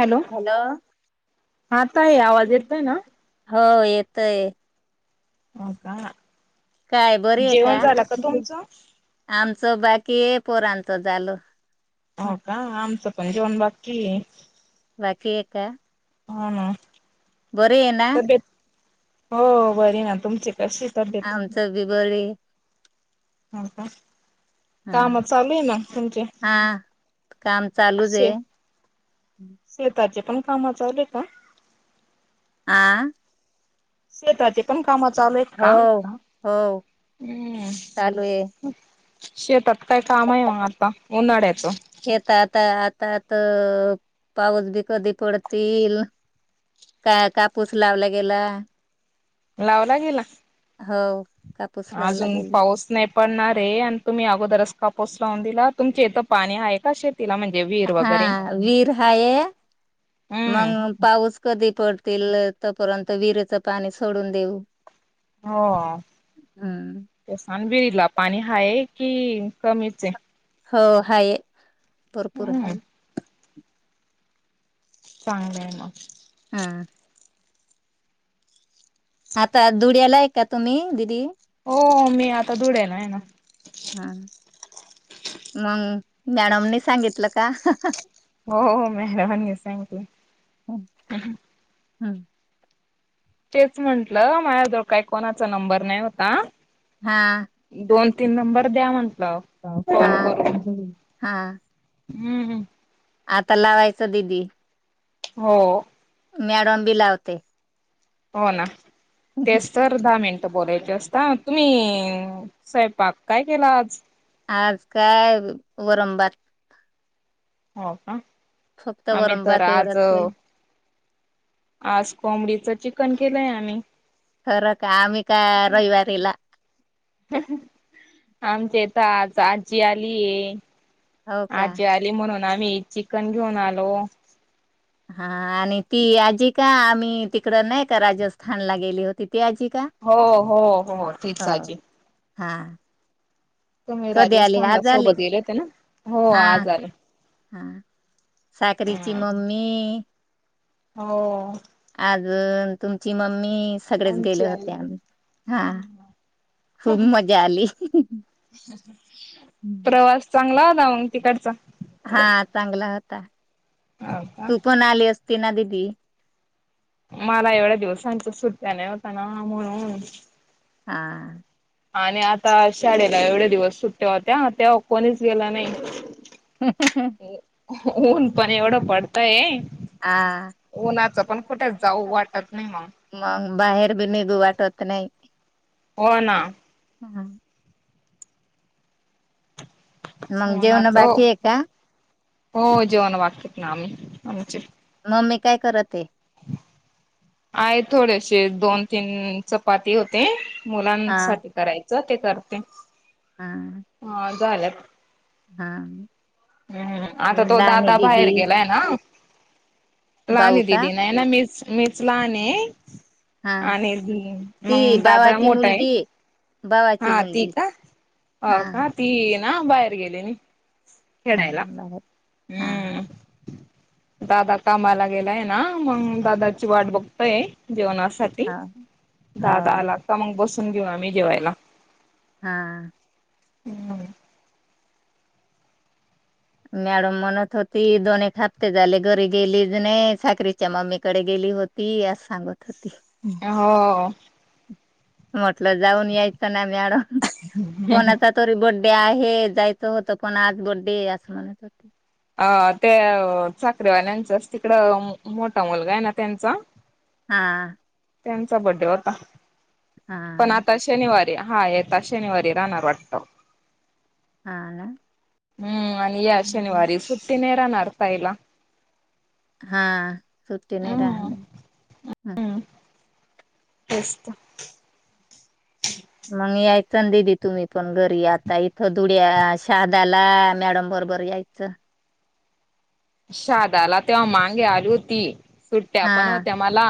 Hello हाताय आवाज येत आहे ना हो येतय हो का काय बरी आहे का जेवण झालं तुमचं? आम बाकी ए पोरांत झालं हो का आमचं पण जेवण बाकी वाच का हो ना बर ये ना तब्येत हो बरी ना तुमची कशी तब्येत? आमचं बी बर हो का हा काम चालू आहे म तुमचे हा काम चालूच असे आहे. शेताचे पण काम चालेय का आह शेताचे पंख कामा चालू आहेत हो काम् हो चालू आहे. शेतात काय काम आहे मग आता उन्हाळ्याचं तात पाऊस बी कधी पडतील का कापूस लावला गेला लावला गेला हो कापूस लावला अजून गेला पाऊस नाही पणणार रे आणि तुम्ही अगोदरच कापूस लावून दिला तुमचे इथं पाणी आहे का शेत हा वीर हाय हम्म. मग पाऊस कधी पडतील तपर्यंत विरेचं पाणी सोडून देऊ. हो हम्म ते सान बी त पाणी हा आहे कि कमीच आहे? हो हाय भरपूर हम्म हाय. चांगलंय मग. हा आता धुड्याला एक का तुम्ही दिदी? हो मी आता धुड्याला आहे ना. हा ज्ञानमनी सांगितलं का? हो मेहरबनी सकली. हम् तेच म्हंटलं माझ्याजवळ काही कोणाचा नंबर नाही होता. हा दोन तीन नंबर द्या म्हंटलं हा फोन करून हा हम्म हम् आता लावायच दीदी. हो मॅडम बी लावते. हो ना तेच तर दहा मिनट बोलायचे असता तुम्ही साैपाक काय केला आज? आज काय वरन भ हो का फक्त आम्ही तर वरमभात आज. एवढंच केल. आज कोंबडीच चिकन केलंय आम्ही. खरं का आम्ही का रविवारीला, आमच्या इत आज आजी आलीये. हो का आजी आली म्हणून आमी चिकन घेऊन आलो. ह आणि ती आजी काय आमी तिकडं नाइ का राजस्थानला गेली होती. ती आजी का हो हो हो तिच आजी हा तुमी कधी आली राजस्थानला आज आली सोबत गेले होते ना हो हा आज आले. हा साखरीची मम्मी, हो अजून तुमची मम्मी सगळेच आमची गेले आई होते आम्ही हा खूप हम् मजा आली प्रवास चांगला ऊग तिकडचा हा चांगला होता हाव का? तू पण आली असत तीना दीदी. मला एवड्या दिवसांच सुट्या नइ होत ना म्हणून. हा आणि आता शाळेला एवड्या दिवस सुट्या होत्या तेवा कोणीच गेल नइ ह हु ऊन पण एवड पडतय, आ जाऊ वाटत नाही मग. मग बाहेर बी निगु वाटत. त नइ. हो ना हम् मंग जेवणं उन्हाचं बाकीए का? हो जेवणं बाकीएत ना आमी आमचे मम्मी काय करतए. आये थोडेशे दोन तीन चपाती होते हा मुलांसाठी कराय. साठी ते करते. हा हा झालं. हा. हम्म आता तो लहान आहे दादा दिदी भाहेर गेलाय ना? भाऊ लानए का दीदी नइए ना मीच मीच लानए. हा आणि मंग दादा मोठाए. बावाची मुलगी हा का ती. ना बाहेर गेलेनी हा खेडायला बर हा हम्म. दादा कामाला गेलाय ना मंग दादाची वाट बघतय जेवणा साठी हो हो दादा का मंग बसून घेऊ आमी जेवायला. हा. हम्म. मॅडम म्हणत होती दोन एक हप्ते झाले गरी गेली बी नइ साखरीच्या मम्मीकडे गेली. ली होती अस सांगत होती. हो. म्हटलं जाऊन यायचं ना मॅडम कोणाचा तरी बंड. डे आहे जायचं होतं पण आज बड्डेए असं म्हणत होती. आ तेअ चाकरीवाल्यांच आज तिकड म मोठा मुलगाए ना तेंचा हा. त्यांचा बड्डे होता हा पण आता शनिवारी हा येता शनिवारी राहणार वाटत. हा आ ना. हम्म आणि या हम्म. शनिवारी सु्टी नरा नडतायला. हा सुती नाही राहणार हम. असस्त. चण ददी तुम्ही पण घरी आता इथं धुड्या शहादाला मॅडम बरोबर यायचं. शदाला तेव्हा मगे आली होती. सुट्ट्या हा पण होत्या मला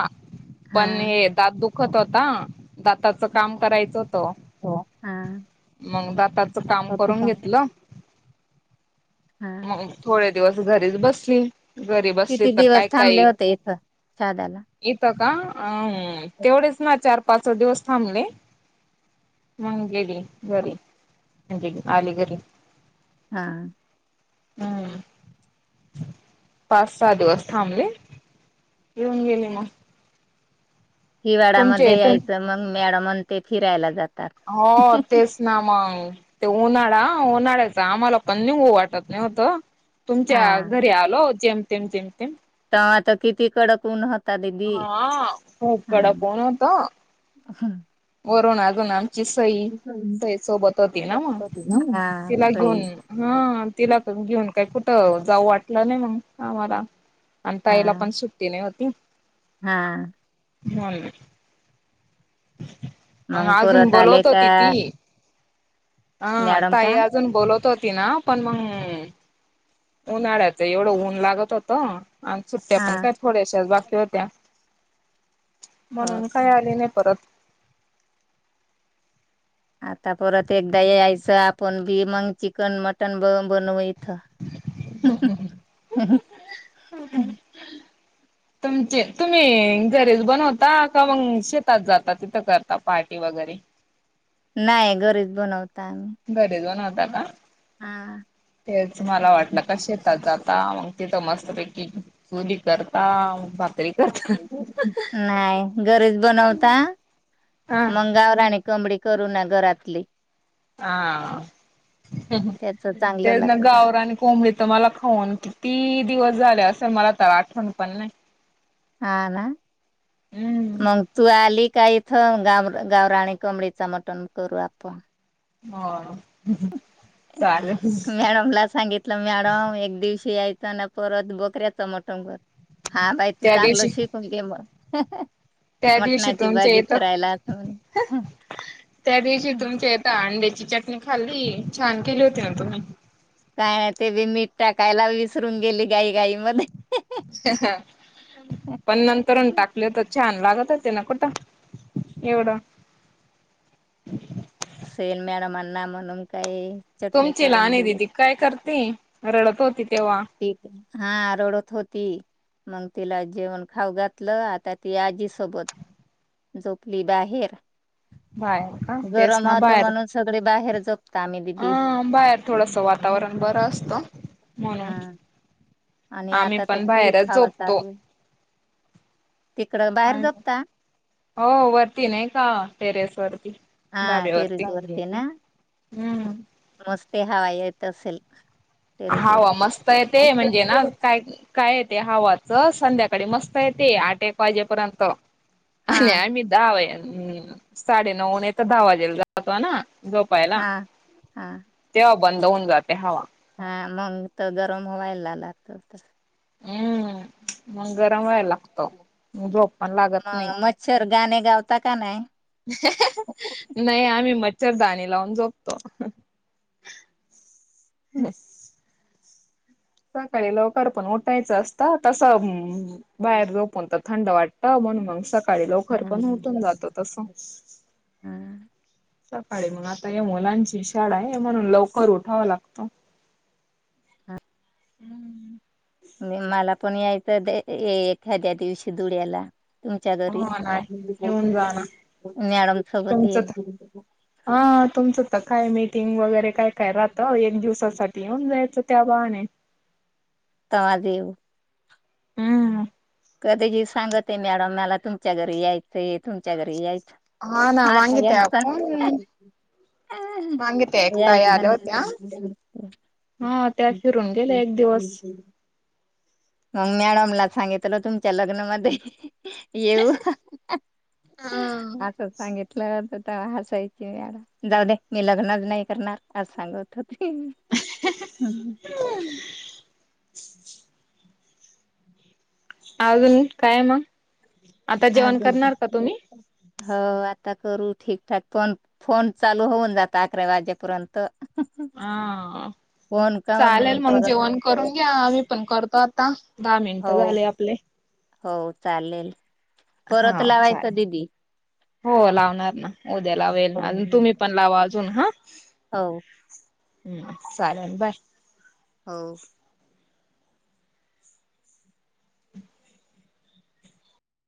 हा पण हे दात दुखत होता. दाताच काम करायचं होत. हा मग दाताचं काम करून हा घेतलं. मग थोडे दिवस घरीच बसली. गरीब असले किती तर काय दिवस काय थांबले होते इथं शहादाला इथ. का अ तेवढेच ना चार पाच दिवस थांबले. म्हजेली घरी म्हणजे आली घरी हा. हम्म. पाच सहा दिवस थांबले घऊन गेली मग तुमचे हिवाळा्यामध्ये इथून यायचं मग मॅडमण ते फिरायला जात. हो तेच ना मग ते उन्हाळाा उन्हाळ्याच आम्हाला पण नि वाटत नाही होत हा तुमच्या घरी आल. जमतेम जमतेम. तर आता किती कडक उनात हा खूप कडा कोणता? असा. रव ना आग ना. सई सई सोबत होती ना म हा तिला घेऊन होई हा तिला घेऊन काय कुठं जाऊ वाटलं नाही मग आम्हाला आणि हा ताईला पण सुट्टी नाही होती. हा. [unintelligible] मग अजून पररत आले बोलवत का होती ती हा मॅडम ताई का अजून बोलवत होत ना पण मग उन्हाळ्याच एवढं ऊन लागत होत आणि सुट्ट्या हा पण काय थोड्याशा बाकी होत्या. हो म्हणून का काय आले नाही परत आता परत एकदा यायचं आपण भी मंग चिकन मटन ब बनव हम्म. तुमचे तुम्ही घरेच बनवता का मग शेतात जाता तिथं करता पार्टी वगैरे. नाही घरीच बनवता आम्ही. घरेज बन होता का तेच मला वाटलं का शेतातचा जाता म तिथ मस्त पैकी चुली करता करता नाही घरीच बनवता हा. मंगावर रा आणि कमडी. करू ना घरातली. हा हम्म हम्म. त्याच चांगलं ते ना लागत गावराने कोंबली तर मला खाऊन की ती दिवस झाले असं मला तर आठवण पण नाही. हा ना हम्म मग तू आली काय इ थ गाव गावरा आणि कमडीच मटण करू आपण. हा. मॅडम ला सांगितलं मॅडम एक दिवशी या शताना परत बकऱ्या चमटंगर हा बाई तू त्या चांगलं दिवशी शिकून घे म. त्या दिवशी मटणाची तुमच्या भाजी येतं करायला आ त्या दिवशी तुमच्या हित अंड्याची चटणी खाल्ली छान केली होती ना तुम्ही. काय नाही ते बी मीठ टाकायला विसरून गेली गाई गाई मध्ये पण नंतरून टाकलेतच. छान लागत होते ना कुठं एवढं सेल मॅडमाना म्हणून काही चटणी तुमची करून लहने दिली. दिदी काय करती रडत होती. तेव्हा हा रडत होती मग तिला जेवण खाऊ घातलं आता ती आजी सोबत झोपली बाहेर. बाहेर का तेच गरम ना होतं बाहेर म्हणून सगळे बाहेर झोपता आम्ही दिदी. अं बाहेर थोडस वा वातावरण बर असत म्हणून आणि आम्ही आता तर पण खूप बाहेरच हवा झोपतो चालू आहे. तिकडं बाहेर झोपता? हो वरती नाही का टेरेस वरती हा धाब्यावरती तेरेसवरती ना हम्म. मस्त ते हवा येत असेल. टेरेस वर. हवा मस्त येते म्हणजे ना काय काय येते हवाच च रोज संध्याकाळी मस्त येते आठ एक वाजेपर्यंत आणि हा आम्ही दहा वाज हम्म साडे नऊ नायत दहा वाजेला जातो ना झोपायला हा हा. तेव्हा बंद होऊन जाते हवा. हा मग तर गरम व्हायला लागते. हम्म मग गरम व्हायला लागत म झोप पण लागत नाही. मग मच्छर गाणे गावता का नाही. [inaudible] नाही आम्ही म र दणी लावून झोपतो. [inaudible] [unintelligible] सकाळी लवकर पण उठायचं असत तस बाहेर झोपून तर थंड वाटत. कोण मग सकाळी हा लवकर पण उठून जात तस हा. सकाळी मग आता या मुलांची शाळा आहे म्हणून लवकर उठावा लागत. [unintelligible] [unintelligible] मि मला पण यायचं त एखाद्या दिवशी धुड्याला तुमच्या घरी हो नाही येऊन जाना मॅडम सोबत ये तुमचं तर हा तुमच्या तच काय मीटिंग वगैरे काय -काय राहतं एक दिवसासाठी येऊन जायचं त्या बाहा ने [unintelligible] हम्म कधीही सांगतेय मॅडम मला तुमच्या घरी यायचंय तुमच्या घरी यायचं ना हा नाही मागितल्या आपण मागे त्या एक ताई आल्या होत्या. ह हा त्या फिरून गेल्या एक दिवस मग मॅडमला सांगितलो तुमच्या लग्नामध्ये येवू हा. आस सांगितलं तेव्हा हासायची मॅडम जाऊ दे मी लग्नच नाही करणार आस सांगत होत हम् [unintelligible] अजून काय म आजून पण हो आता तरी ठीकठाक फोन -फोन चालू होऊन जाता अकरा वाजेपर्यंत हा फोन चालेल काऊन मग करत जेवण करून घ्या आम्ही पण करतात ता दहा मिनिट हो झाले आपले हो चालेल, परत हा लावायचं चालेल. दिदी. हो लावणार ना, उद्या लावेल ना, हो अजून तुम्ही पण लावा. अजून हा. हो. हम्म चालंल बाय. हो.